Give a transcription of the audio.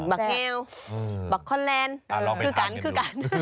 ่ารอไว้ทานกันดู